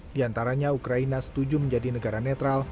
di antaranya ukraina setuju menjadi negara netral